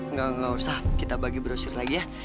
nggak nggak usah kita bagi brosir lagi ya